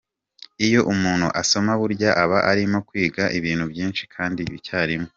Iyo umuntu asoma burya aba arimo kwiga ibintu byinshi kandi icyarimwe.